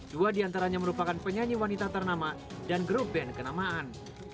dua diantaranya merupakan penyanyi wanita ternama dan grup band kenamaan